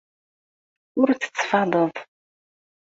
Ur tettfadeḍ.